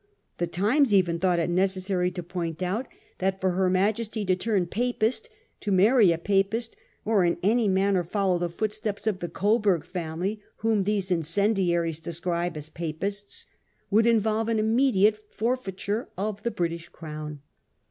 The Times even thought it necessary to point out that for her 1837 9 . PARTISAN FRENZIES. 21 Majesty to turn papist, to marry a papist, ' or in any manner follow the footsteps of the Coburg family whom these incendiaries describe as papists,' would involve an 'immediate forfeiture of the British crown.